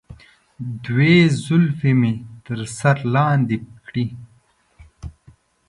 دوی زلفې مې تر سر لاندې کړي.